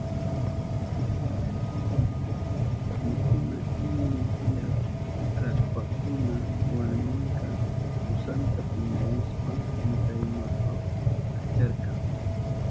Mikuna illa kashpankuna warminka kusanta piñarishpan mitayunanpa kacharka.